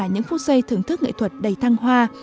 những phút giây thưởng thức nghệ thuật đầy thăng hoa